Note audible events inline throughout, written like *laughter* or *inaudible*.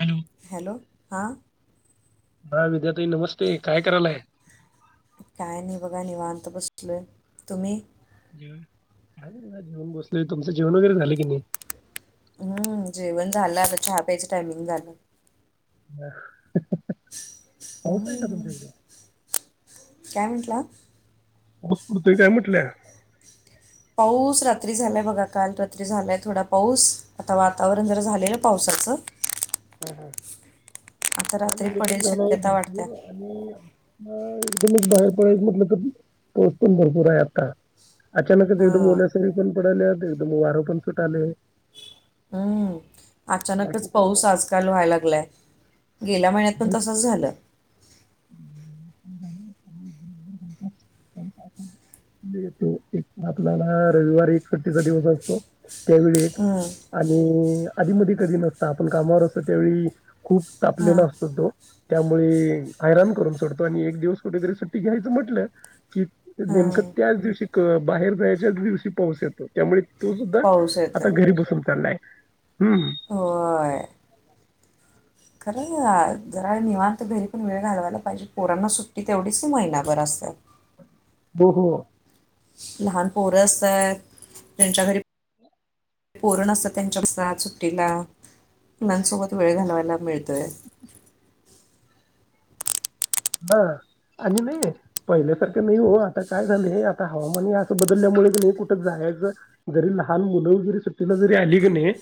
Hello. Hello हा दहा विद्यार्थी. ताई नमस्ते काय करायलाय? काय नाही बघा निवांत बसलोय... तुम्ही जेवून बसलोय. तुमचं जेवण वगैरे झाले की नाही? हं जेवण झालं आता... चहा प्यायचं टायमिंग झालं. *inaudible* पाऊस आहे का तुमच्या इकडे? काय म्हंटलात. *unintelligible* पाऊस रात्री झालाय बघा. काल रात्री झालाय थोडा पाऊस आता वातावरण जर झालेलं पावसाचं हा आता काल रात्री इकडे पण पडेल झाला शक्यता वाटत्या भरपूर आणि ह एकदमच बाहेर पडायचा म्हटलं तर, पाऊस पण भरपूर आहे आता. अचानक च एकदम हां ओल्या साडीतून पडालात, एकदम वारं पण सुटालय. हं. बाकी अचानकच काय मग? पाऊसज आज काल व्हय लागलाय. गेल्या महिन्यात पण, आहे तसच झालं. तो एक आपल्याला रविवार एकसट्टीचा दिवस असतो. त्या वेळी एक, हं, आणि आधी मध्ये कधी नसता आपण कामावर असो त्यावेळी खूप हां तापलेला असतो तो त्यामुळे हैरान करून सोडतो आणि एक दिवस कुठेतरी सुट्टी घ्यायचं म्हटलं. की नेमकं हां त्याच दिवशी बाहेर जायच्याच दिवशी पाऊस येतो त्यामुळे तू सुद्धा, पाऊस आता येतं घरी बसून चाललाय हम्म होय खरं, जरा निवांत बाहेर पण वेळ घालवायला पाहिजे परांना सुट्टी तेवढीच महिना भर असते. हो हो लहान पोरं असतात त्यांच्या घरी पोरण असतात त्यांच्या सुट्टीला मुलांसोबत वेळ घालवायला मिळतोय हा आणि नाही पहिल्यासारखं नाही हो आता काय झालं आता हवामान हे असं बदलल्यामुळेच नाही कुठं जायच जरी लहान मुलंग जरी सुट्टीला जरी आली की नाही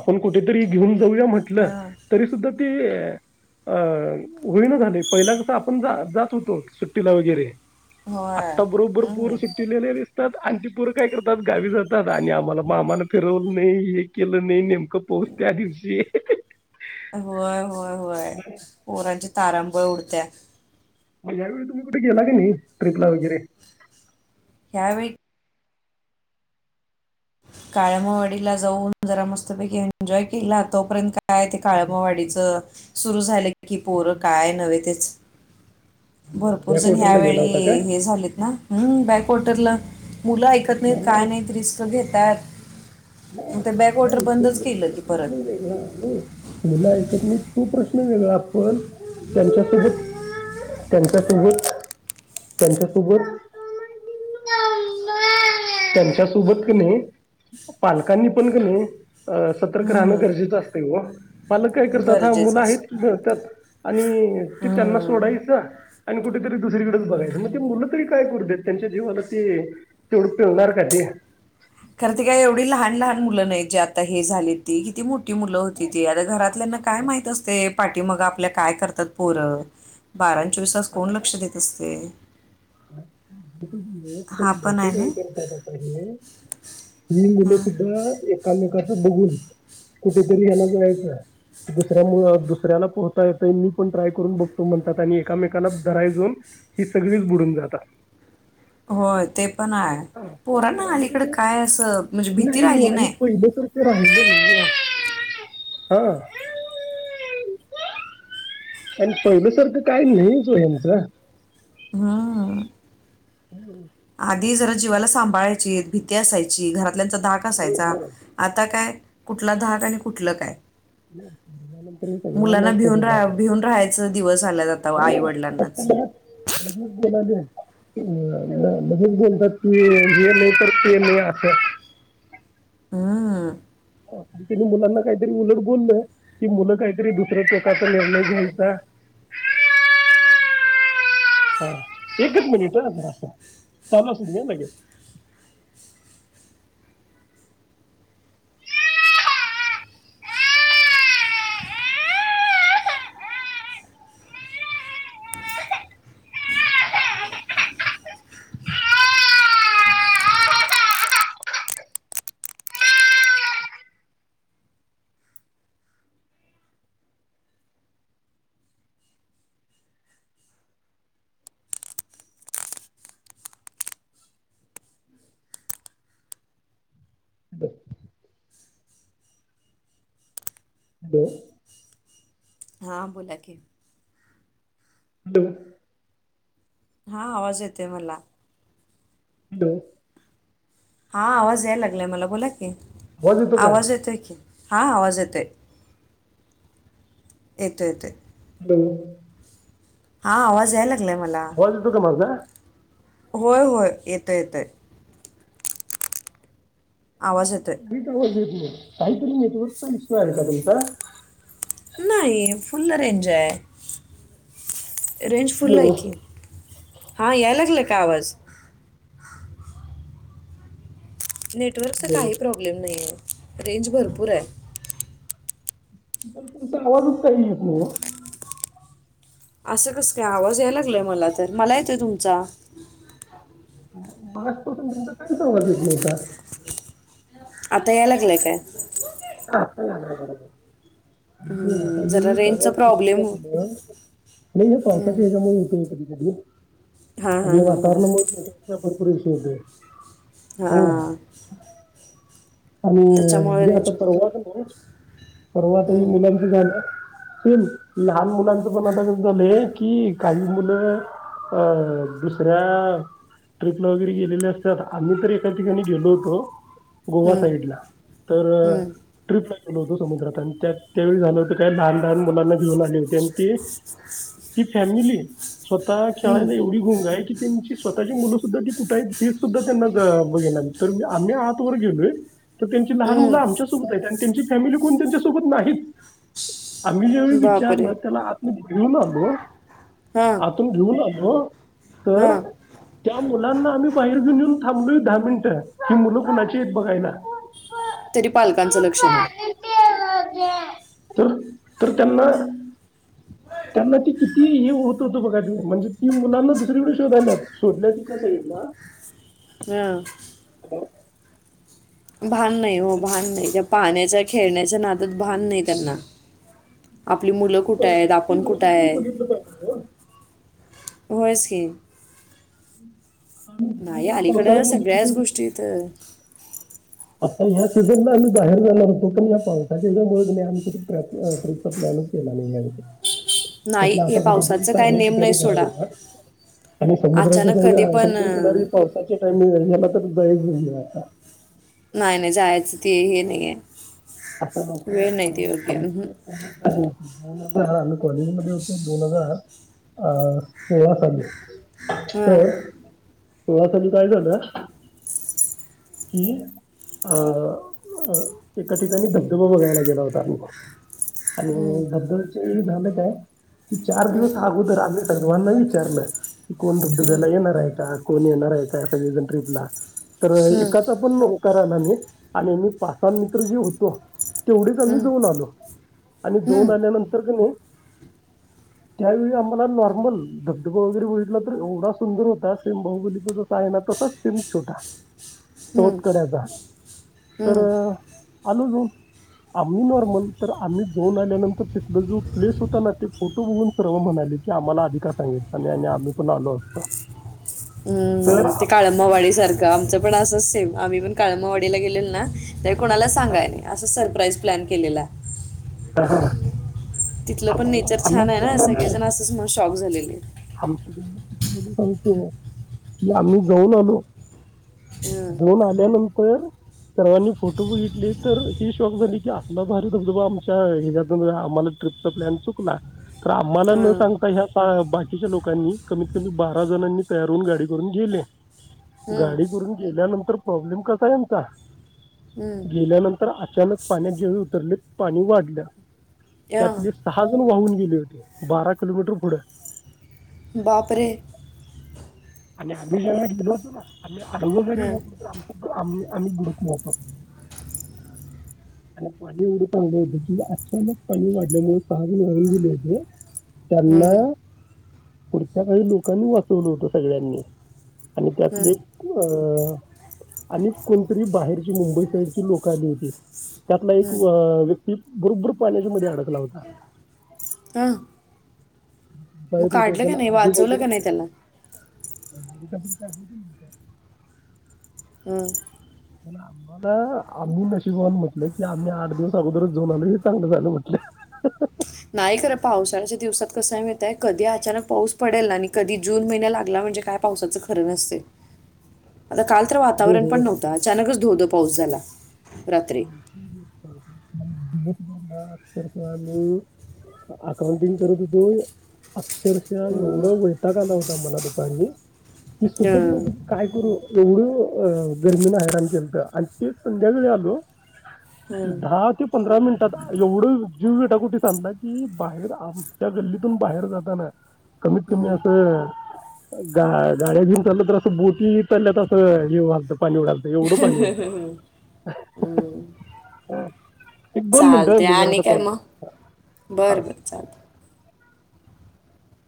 आपण कुठेतरी घेऊन जाऊया म्हटलं हां तरी सुद्धा ते अ होईना झाले पहिला कस पण जात होतो सुट्टीला वगैरे होय आत्ता बरोबर हम्म. पूर सुट्टीलेले दिसतात आणटी पूर काय करतात गावी जातात आणि आम्हाला मामाला फिरवलं नाही हे केलं नाही नेमकं पोहच त्या दिवशी होय होय होय पोरांची तारांबळ उरत्या मण्या वेळी तुम्ही कुठे गेला क नाही ट्रिपला वगैरे ह्यावेळी काळमावाडीला जाऊन जरा मस्तपैकी एन्जॉय केला तोपर्यंत काय ते काळमावाडीच सुरू झालं की पोरं काय नव्हे तेच भरपूर या जण क्वार्टरला गेला होता काय? ह्यावेळी हे झालेत ना ह् बॅकवाटरला मुलं ऐकत नाहीत काय नाही नाहीत रिस्त घेत त्या नाही केलं की एकतच परत नाही आहे मला एकत तो प्रश्न वेगळा आपण त्यांच्या सोबत त्यांच्या सोबत त्यांच्या सोबत त्यांच्या सोबत कणे पालकांनी पण ग नाही अ सतर्क राहणं हम्म, गरजेचं असते ग पालक काय करतात हा मुलं गरजेचंच आहेत त्यात आणि ते त्यांना हम्म. सोडायचं आणि कुठेतरी दुसरीकडेच बघायचं मग ते मुलं तरी काय कर देत त्यांच्या जीवाला ते तेवढं पिवणार का ते कारर ते काय एवढी लहान लहान मुलं नाही जे आता हे झाली ती किती मो ठी मुलं होती ती आता घरातल्याना काय माहित असते पाठी मग आपल्या काय करतात पोर ब प चवीसास कोण लक्ष देत असते पण हा पण मोठं आहे काय ना करतात आता हे ही मुलं हं. सुद्धा एकामे ब कुठरी्याला जयच दु्या दुसऱ्या पहता येत मी पण ट्राय करून बघतो म्हणतात आणि एकामेकाला रा जाऊनी सगळीच बुडून जात हो ते पण आहे पोर ना आणि आलीकड कसं काय असं म्हणजे भीती हो राहिली आणि नाही पहिलं तर नाही हा आणि पहिल्या सारखं काही नाही सोयंच हा हम्म आधी जरा जीवाला सांभाळायची भीती असायची घरा आपल्याचा धाक असायचा आता काय कुठला धाक आणि कुठलं काय नंतरत अ मुलांना भिऊन राहा भिऊन राहायचं दिवस आल्यात आता आई-वडिलांनाच. म्हजच बोलतात की हे नाही तर ते नाही असं हा. त्यांनी मुलांना काहीतरी उलट बोललं कि मुलं काहीतरी दुसऱ्या चौकाचा निर्णय घ्याल का? हा एकच मिनिट अस काला सुध घे हॅलो. हां बोला की. ह. हा आवाज येते मला हॅलो. हा आवाज यायला लागलाय मला बोला की आवाज येतो का आवाज येत आहे की हा आवाज. यथ य ते तो हा आवाज याला. म येतो का माझा होय हो. ते ते आवाज येतोय. क तर ब तू यत र त उ इस आहे का तेस नाही फुल्ल रेंज आहे. रेंज फुल्ल आहे हॅलो की हां याय लागलं. *unintelligible* नेटवर्कचा हॅलो काही प्रॉब्लेम नाही आहे. रेंज भरपूर आहे. तमचा आवाजच काही असं कस काय आवाज यायला लागलाय मला तर मला येतंय तुमचा. माारजपासून तुमचा काही संगत येत नव्हता. आता या लागले काय. *unintelligible* आता हम्म, ही जरा रेंजचा प्रवास प्रॉब्लेम नाही हे पावसाच्या ह्याच्यामुळे होतो कधी हां *unintelligible* अ हां हां हां वातावरण कपडे शो हा. *unintelligible* परवतही हम्म, मुलांचं झालं. सेम लहान मुलांचं पण आता कस झालंय की काही मुलं अ दुसऱ्या ट्रिपला वगैरे गेलेले असतात आम्ही तर एका ठिकाणी गेलो होतो. हम्म, गोबर हम्म, *unintelligible* होत समुद्रात आणि त्या त्यावेळी झालं होतं काही लहान लहान मुलांना घेऊन आले होते आणि ते ती फॅमिली स्वतः हम्म, खेळाला एवढी गुंग आहे की त्यांची स्वतःची मुलं सुद्धा ती कुठे आहे हेच सुद्धा त्यांना बघेणार तर आम्ही आत वर गेलोय. तर त्यांची लहान हम्म. मुलं आमच्यासोबत आहेत आणि त्यांची फॅमिली कोण त्यांच्यासोबत नाहीत. आम्ही जेवेेळी बापरे विचारण त्याला आत मध्ये घेऊ न हो, हां आतून घेऊन, हो तर हां त्या मुलांना आम्ही बाहेर घऊन येऊन थांबलोय दहा मिनिटं, ही मुलं कुणाची आहेत बघायला. तरी पालकांचं लक्षण नाही. तर तर त्यांना, त्यांना ती किती हे होत होत बघा त म्हणजे तीन मुलांना दुसरीकडे शोधायला जायच, शोधल्या ती कसं येईल ना. हां हलो, भान नाही हो भान नाही जब. पाण्याच्या खेळण्याच्या नादत भान नाही त्यांना. आपली मुलं कुठे आहेत ती आपण लोक कुठ तरी आहे. बघितलं पाहिजे हो. होयसे. *inaudible* नाही अलीकडं पावसाळ्यामध्ये सगळ्याच कुठे गोष्टी तर. आता ह्या सीझनला आम्ही बाहेर जाणार होतो पण या पावसाच्या ह्याचामुळे कुणी आम्ही कुठे ट्रयाप अ ट्रीपचा प्लॅनच केला नाही यामध्ये. नाही म्हटलं हे आता कुठेतरी पावसाचं काय चांगल्या नेम नाही ठिकाणी कराव सोडा म्हणलात आणि समुद्राच्या अचानक कधी या पण अं, समुद्रकिनारी पावसाच्या टाइमिंगला. *inaudible* नाही नाही जायचं ते हे नाही हे. असं *inaudible* या आम्ही कॉलेजमध्ये होतो दोन हजार अ ह सोळा साली. हं पोहा साली पाहिजे होत अ ह, अह अह. त्या ठिकाणी धबधबा बघायला गेला होता आम्ही *inaudible* ये झालं का. की चार दिवस अगोदर आणले सर्वांनाइच. टर्न कोण धबधब्याला येणार आहे का. कोण येणार आहे का, सगळे जण ट्रिपला. तर एकाचा पण नको *inaudible* आणि मि पासंग. जीव होतो. तेवढेच आम्ही जाऊन आलो आणि जाऊन आल्यानंतर क नाही त्यावेळी आम्हाला नॉर्मल धबधबा वगैरे बघितलं तर एवढा सुंदर होता सेम बाहुबलीचा जसा आहे ना तसाच सेम छोटा हम्म. तोतकड्याचा तर हम्म. आलो जाऊन आम्ही नॉर्मल तर आम्ही जाऊन आल्यानंतर तिथला जो प्लेस होता ना ते फोटो बघून सर्व म्हणाले की आम्हाला आधी का सांगायचं आणि आणि आम्ही पण आलो असतो तर हम्म ते आमच्या काळंबावाडी सारखं ईर्ष्येवर आमचं पण असच सेम आम्ही पण काळम वाडीला गेलेल ना ते कोणाला सांगाय नाही असं सरप्राईज प्लॅन केलेला हा हा तिथलं पण नेचर छान आहे ना आलो सगळेजण असंच म शॉक झालेले तो कि आम्ही जाऊन आलो हं. दोन आल्यानंतर सर्वांनी फोटो बघितले तर हे शॉक झाले की अस भ धबबा आम त आम्हाला ट्रिपचा प्लॅन चुकला तर आम्हाला न हं. सांगता ह्या बाकीच्या लोकांनी कमीत कमी बारा जणांनी तयार होऊन गाडी करून गेले हं. गाडी करून गेल्यानंतर प्रॉब्लेम कसा यांचा हं. गेल्यानंतर अचानक पाण्यात जे उतरले पाणी वाढ लं या त्यातली सहा वाहून गेली होती बारा किलोमीटर पुढं बापरे आणि आमही जे गेलोतो ना अ हं आम्ही आम्ही गुडत नवतो आणि पाणी एवड आणले होते कि अचानक पाणी वाढल्यामुळे सहावी वाहून गेले होते त्यांना हं, पुढच्या काही लोकांनी वाचवलं होत सगळ्यांनी आणि त्यातली हं, अं आणि कोणतरी बाहेरची मुंबई साईडची लोक आली होती त्यातला एक हं. अ व्यक्ती बरोबर पाण्याच्या म अडकला होता हां. मग बाहेर होता काढलं का त्याला नाही वाचवलं का नाही त्याला ासून काढ का हं. आम्हाला आम्ही नशीबून म्हटलं की आम्ही आठ दिवस अगोदरच जऊन आलो हे चांगलं झालं म्हटलं नाही पावसाळ्याच्या दिवसात कस कधी अचा पाऊस पडेल कधी जून महि लाला म्हणजे का पावसाच खरं आ का वातावरणण बरोबर. अन धो पाऊस झाला रात्री. ां अक्षरशः आी अकाउंटिंग करत होतो अक्षरशः हं. एवढं वैटाक आला होता मला दुपारी मी हं. सुचत काय करू एवढं गर्मीन आहेरण केंत आणि ते संध्याकाळी आलो दहा ते पंधरा मिनिटात एवढं जीव गेटा कुठे सांगला कि बाहेर आमच्या गल्लीतून बाहेर जाताना कमीत कमी असं गा गाड्या घेऊन चाललं तर असं बोटी लल्या तर असं हे वालतं पाणी उडालत अोड पणी होत ह हम चालते. आणि काय मग? बरं बर चालते.